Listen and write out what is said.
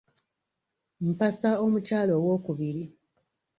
Mpasa omukyala owokubiri.